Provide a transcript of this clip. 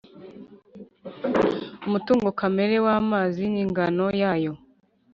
umutungo kamere w amazi n ingano y ayo